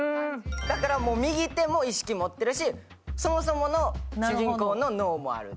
だから右手も意識を持っているし、そもそもの主人公の脳もある。